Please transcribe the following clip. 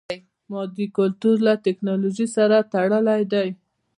مادي کلتور له ټکنالوژي سره تړلی دی.